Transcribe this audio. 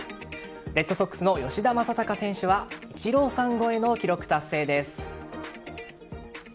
レッドソックスの吉田正尚選手はイチローさん超えの記録達成です。